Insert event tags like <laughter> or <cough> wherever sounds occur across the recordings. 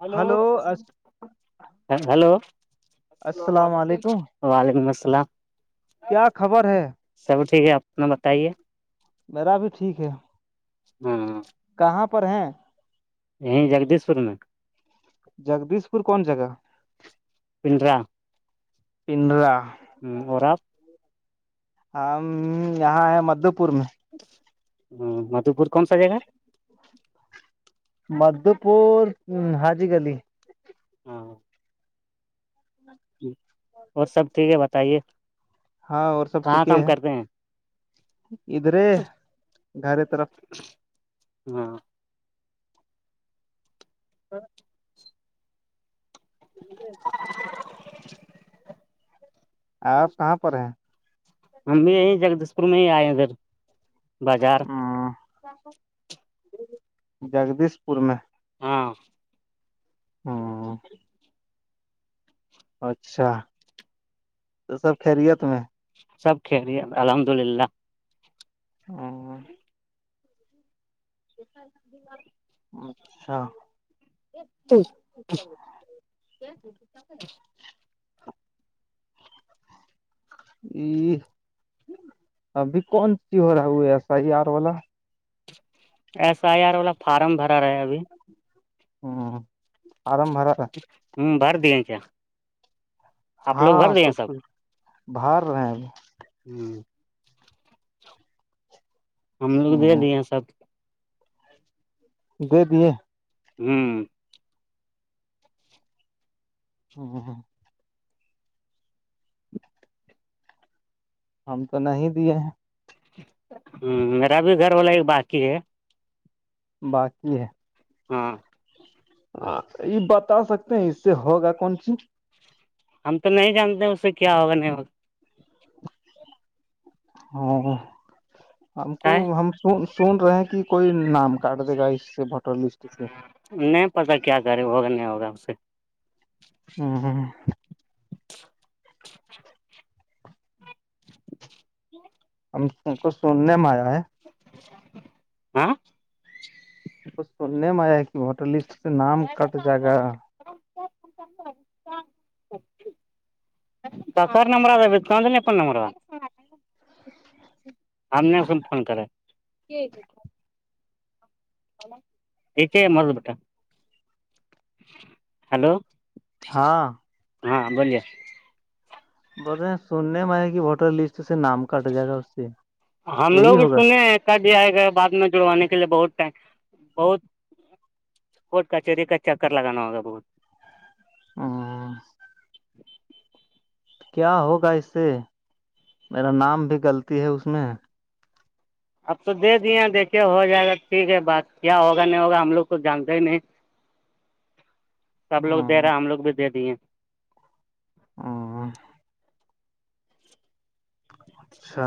hello ہ hello السلام علیکم وعلیکم السلام کیا خبر ہے سب ٹھیک ہے اپنا بتائیے میرا بھی ٹھیک ہے ہاں ہ کہاں پر ہیں یہ جگدیش پور میں جگدیش پور کون جگہ پنڈرا پنڈرا اور ہم یہاں ہے مدھو پور میں ہ مدھو پور کون سا جگہ مدو پور ہاجی گلی ہاں اور سب ٹھیک ہے بتائیے ہاں اور سب کہاں ٹھیک کام ہے کرتے ہیں ادھرے گھر طرف ہاں تو ج آپ کہاں پر ہیں ہم بھی یہیں جگدیش پور میں ہی آئے ادھر بازار ہوں جگدیش پور میں ہاں ہاں اچھا تو سب خیریت میں سب کری الحمد للہ اور اچھا ت یہ ابھی کون سی ہو رہا ہو ہے ایسا ہی آر والا ایس آئی آر والا فارم بھرا رہا ہے ابھی ہوں آرم بھر رہا ہوں بار دی جچ ہاں کچھ کچھ بر رہے ہیں اب ہوں ہم لوگ دے ہ دیے ہیں سب دے دیے ہوں ہ ہاں ہم تو نہیں دیے ہیں ہ میرا بھی گھر والا ایک باقی ہے باقی ہے ہاں ہاں یہ بتا سکتے ہیں اس سے ہوگا کون سی ہم تو نہیں جانتے اس سے کیا ہوگا نہیں ہاں ہم کو ہے ہم سن رہے کہ کوئی نام کاٹ دے گا اس سے ووٹر لسٹ سے نہیں پتا کیا کرے ہوگا نہیں ہوگا اس سے ہوں ہم س کو سننے میں آیا ہے ہاں کچ سننے میں آیا ہے کہ ووٹر لسٹ سے نام کرسا کٹ جائے کام گا کر کفر نمبر تھاا بتکد نہیں اپ نمبر تھاا آ نے سم فون کرا یک مر بیٹا ہلو ہاں ہاں بولیے بولے سننے میں ہے کہ ووٹر لسٹ سے نام کٹ جائے گا اس سے یہی ہوگا کا د آئے گا بات میں جڑوانے کے لیے بہت ٹائم بہت کوٹ کچہری کا چکر لگانا ہوگا بہت ہ کیا ہوگا اس سے میرا نام بھی غلطی ہے اس میں اب تو دے دیے دیکھیے ہو جائے گا ٹھیک ہے بات کیا ہوگا نہیں ہوگا ہم لوگ کو جانتے ہی نہیں سب لوگ ہ دے رہے ہے ہم لوگ بھی دے دی ہیں ہ اچھا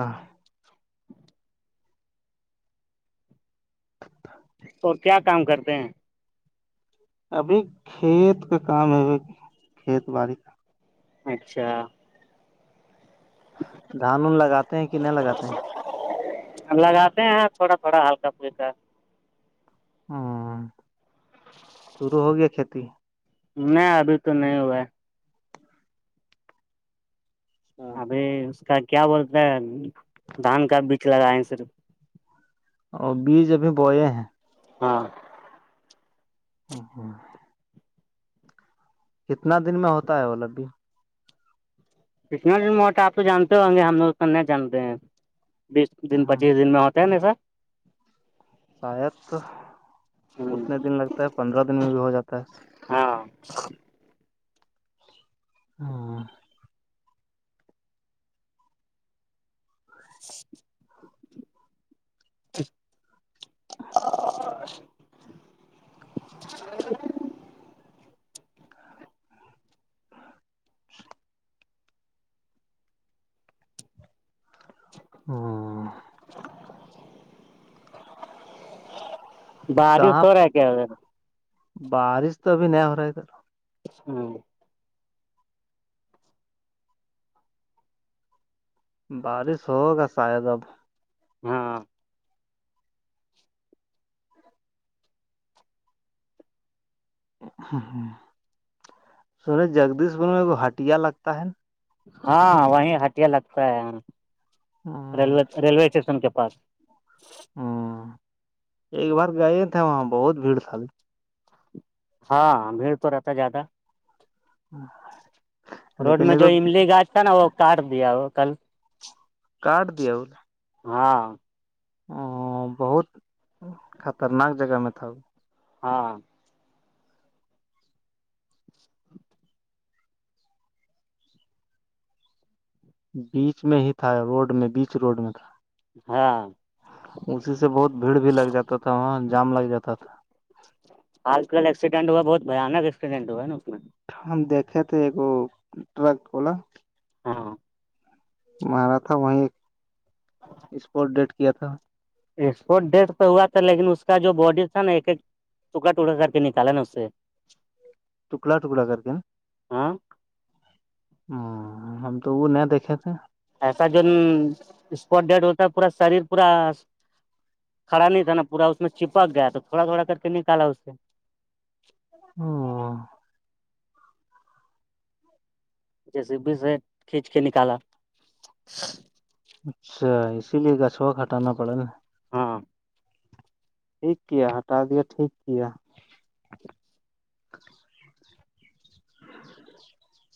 اور کیا کام کرتے ہیں ابھی کھیت کا کام ہےب کھیت باڑی کا اچھا دھان اون لگاتے ہیں کہ نہیں لگاتے ہیں لگاتے ہیں تھوڑا تھوڑا ہلکا پھلکا ہوں شروع ہو گیا کھیتی نہیں ابھی تو نہیں ہوا ہے ابھی اس کا کیا بولتے ہیں دھان کا بیج لگاائے صرف اور بیج ابھی بوئے ہیں ہاں ہ ہاں کتنا دن میں ہوتا ہے وہ لب بھی اتنا دن موٹ آپ تو جانتے ہوں گے ہم لوگ کر جانتے ہیں بیس دن ہ پچیس دن میں ہوتے ہیں ن سر شاید تو اتنے دن لگتا ہے پندرہ دن میں بھی ہو جاتا ہے ہاں ہاں ہ <inaudible> باد کہاں سو رہ کیاا بارش تو ابھی نہیں ہو رہا ہے ت ہاں بارش ہوگا شاید اب ہاں ہ ہ سنیں جگدیش پور میں ہٹیا لگتا ہے نا ہاں وہیں ہٹیا لگتا ہے ریوے ہ ریلوے اسٹیشن کے پاس جی ہوں ایک بار گئے تھے وہاں بہت بھیڑ سالی ہاں بھیڑ تو رہتا ہے زیادہ ہاں روڈ میں جو املی گاھ تھا نا وہ کاٹ دیا وہ کل کارڈ دیا بلا ہاں ا بہت خطرناک جگہ میں تھا ہاں بیچ میں ہی تھا روڈ میں بیچ روڈ میں تھا ہاں اسی سے بہت بھیڑ بھی لگ جاتا تھا وہاں جام لگ جاتا تھا آج کل ایکسیڈنٹ ہوا بہت بانک ایکسیڈینٹ ہوا نا اس میں ہم دیکھے تھے اگو ٹرک واللا ہاں مارا تھا وہیں ایک اسپورٹ ڈیٹ کیا تھا ایکپورٹ ڈیھ پہ ہوا تھا لیکن اس کا جو باڈی تھا نا ایک ایک چکاٹڑا سارکے نکاللا نستے ٹکڑا ٹکڑا کر د نا ہاں ہ ہم تو وہ نہیں دیکھے تھے ایسا جون اسپٹ ڈیڈ ہوتا پورا شریر پورا کھا نہیں تھا نا پورا اس میں چپک گیا تو تھوڑا تھوڑا کر کے نکالا اس سے ہ ج جی س بی سے کھینچ کے نکالا اچھا اسی لیے گچھوا کٹانا پڑا نا ہاں ٹھ کیایا ہٹا دیا ٹھیک کیایا <inaudible>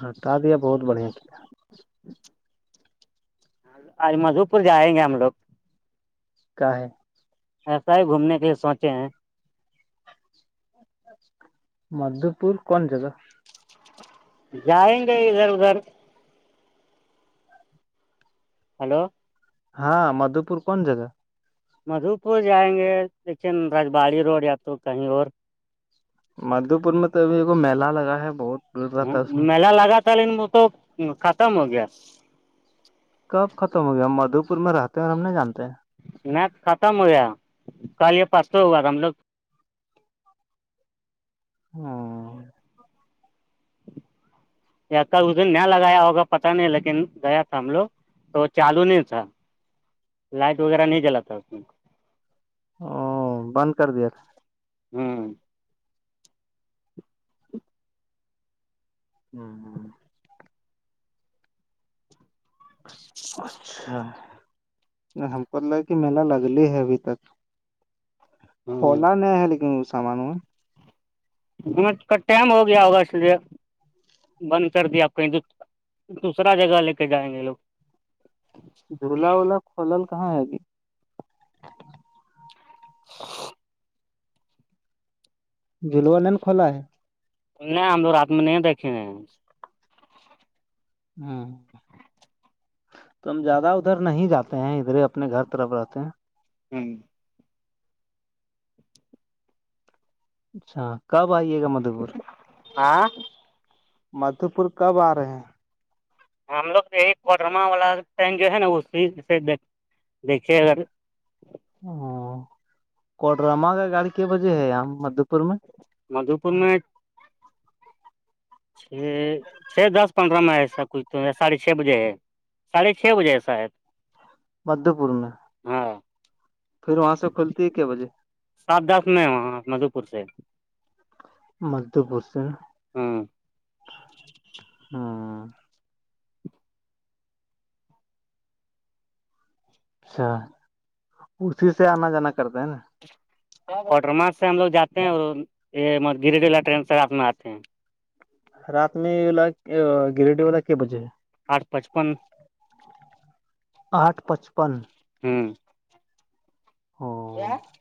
ہٹا دیا بہت بڑھیا کیا ا مدھو پور جائیں گے ہم لوگ کا ہے ایسا ہی گھومنے کے لیے سوچے ہیں مدھو پور کون ج گا جائیں گے ادھر ادھر ہلو ہاں مدھو پور کون جگہ مدھو پور جائیں گے دیکھیے رجباڑی روڈ یا تو کہیں اور مادو پور میں تو ابھی ایکو میلا لگا ہے بہت بھیڑ ہ رہتا ہے اس میں میلا لگا تھا لن وہ تو ختم ہو گیا کب ختم ہو گیا ہم مدو پور میں رہتے ہیں اور ہم نہیں جانتے ہیں میں ختم ہویا کل یہ پانچ سو ہو گا تھا ہم لوگ ہاں ک اس دن ن لگایا ہوگا پت نہیں لیکن گیا تھا ہم لوگ تو وہ چالو نہیں تھا لائٹ وغیرہ نہیں جلاتا اس میں او بند کر دیا تھا ہوں ہوں ہوں اچھا ہم کو ل کہ میلا لگل ہے ابھی تک ہوں خولا نہیں ہے لیکن وہ سامان و ہم کا ٹائم ہو گیا ہوگا اس لیے بند کر دیا آپ کہیں تو دوسرا جگہ لے کے جائیں گے لوگ جھولا وولا کھولل کہاں ہے ابھی رععک جولو نین کولا ہے نہیں ہم ل رات میں نہیں دھھیے ہاں تو ہم زیادہ ادھر نہیں جاتے ہیں ادھرے اپنے گھر طرف رہتے ہیں ہوں اچھا کب آئیے گا مدو پور آ مادھو پور کب آ رہے ہیں ہم لوگ ایک کوٹرما والا ین جو ہے نا اسی سے دیکھیے اگر ہ کوڈرما کا گاڑی کے بجے ہے یہاں مدھو پور میں مادھوپور میں چھ چھ دس پندرہ میں ایسا کچھ تو ہے ساڑھے چھ بجے ہے ساھے چھ بجے ایسا ہے مدھے پور میں پھر وہاں سے کھلتی ہے کیا بجے سات دس میں وہاں مدو پور سے مد پچم ہوں ہوں اچھا اسسی سے آنا جانا کرتے ہیں نا وٹر مارک سے ہم لوگ جات ہیں اور یہ گری ولا ٹرین سےات میں آتے ہیں رات میںلا گریڈ ولا کی بجے آٹھ پچپن آٹھ پچپن ہوں او اچھا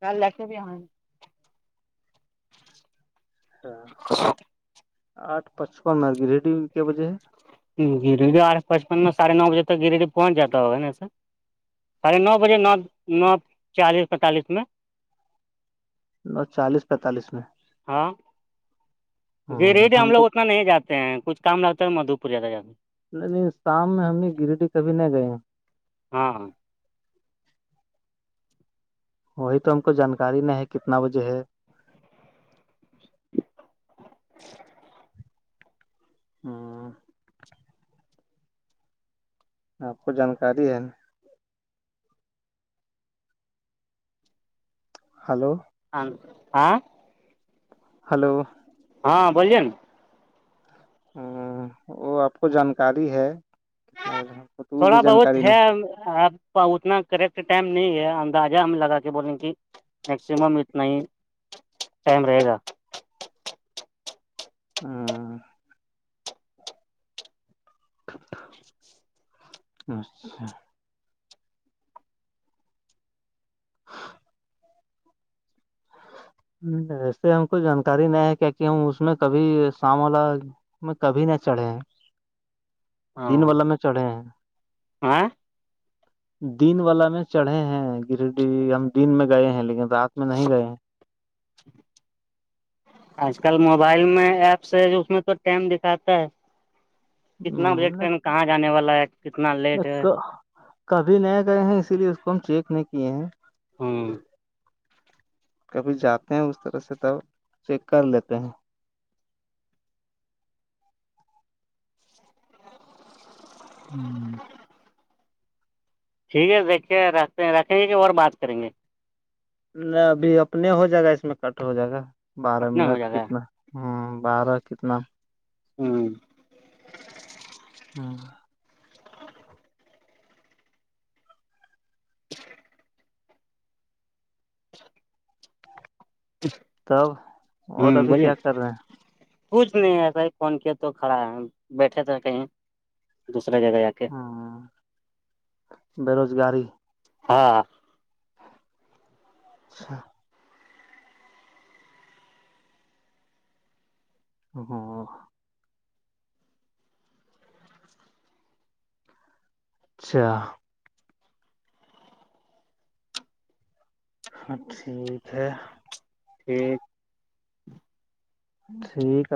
کل ل کے بھی آاں اچ آٹھ پچپن مر گی ریڈی میں کیا بجے ہے گری پچپن میں ساھے نو بجے تک گریے پہنچ جاتا ہو نے ساڑھے نو بجے نو نو چالیس پینتالیس میں ن چالیس پینتالیس میں ہ گیرییٹ ہم لوگ تو اتنا نہیں جاتے ہیں کچھ کام لگتا ہے مدھو پور زیادہ جاتے ہیں نہیں نہیں شام میں ہم نے گریٹی کبھی نہیں گئے ہاں ہاں وہی تو ہم کو جانکاری نہیں ہے کتنا بجے ہے ہاں آپ کو جانکاری ہے نا ہلو ہاں ہاں ہلو ہاں بولے ہ وہ آپ کو جانکاری ہے کتنا بجے آپ کو تو تھوڑا بھی بہت جانکاری نہیں ہےب اتنا کریکٹ ٹائم نہیں ہے اندازہ ہم لگا کے بولیں کہ میکسیمم اتنا ہی ٹائم رہے گا اہا <unintelligible> وسے ہم کو جانکاری نہیں ہے کیا کہ ہم اس میں کبھی سام والا میں کبھی نہ چڑھے ہیں دن ہاں والا میں چڑھے ہیں ہاں دن والا میں چڑھے ہیں گرڈی ہم دن میں گئے ہیں لیکن رات میں نہیں گئے ہیں <unintelligible> آج کل موبائل میں ایپس ہے اس میں تو ٹائم دکھاتا ہے کتنا بجے ٹرین کہاں جانے والا ہے کتنا لیٹ ہے کبھی نئے کرے ہیں اسی لیے اس کو ہم چیک نہیں کیے ہیں <unintelligible> کبھی جاتے ہیں اس طرح سے تب چیک کر لیتے ہیں <unintelligible> ٹھیک ہے دیکھیے رکھتے ہیں رکھیں گے کہ اور بات کریں گے ن ابھی اپنے ہو جائے گا اس میں کٹ ہو جائے گا بارہ اپنا ہو منٹ جائے گا کتنا ہوں بارہ کتنا <unintelligible> <unintelligible> تب اور ابھی کیا کر رہے <unintelligible> ہیں کچھ نہیں ایسا ہی فون کیا تو کھڑا ہے بیٹھے تھے کہیں اس نے کیا کہا یار ہوں بےروزگاری ہا <unintelligible> <unintelligible> اچھا ہاں ٹھیک ہے <unintelligible> <unintelligible>